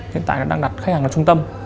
hiện tại đang đặt khách hàng là trung tâm